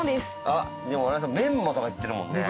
あっでも新井さんメンマとかいってるもんね。